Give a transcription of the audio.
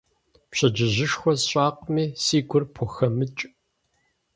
Пщэдджыжьышхэ сщӀакъыми, си гур помэхыкӀ.